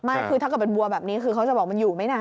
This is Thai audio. ไม่คือถ้าเกิดเป็นวัวแบบนี้คือเขาจะบอกมันอยู่ไม่นาน